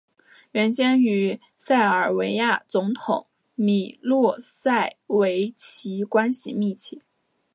原先与塞尔维亚总统米洛塞维奇关系密切。